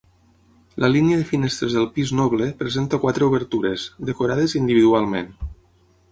La línia de finestres del pis noble presenta quatre obertures, decorades individualment.